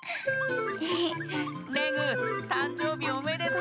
レグたんじょうびおめでとう。